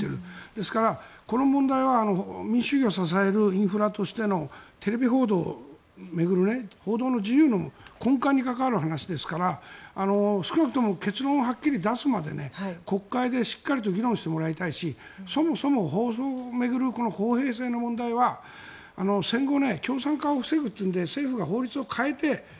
ですからこの問題は民主主義を支えるインフラとしてのテレビ報道を巡る報道の自由の根幹に関わる話ですから少なくとも結論をはっきり出すまで国会でしっかりと議論してもらいたいしそもそも放送法を巡る公平性の問題は私の選択が私たちの選択がこの世界を美しく変えていく